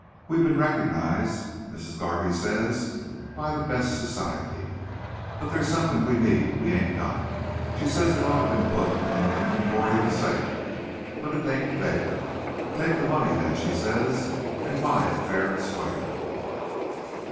We been recognized, Missis Garvey says, by the best society. But there's somethin' we need we ain't got. She says it ought to been put in the 'ventory ov the sale, but it tain't thar. 'Take the money, then,' says she, 'and buy it fa'r and squar'.